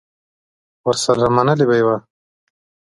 ورسره منلې به یې وه.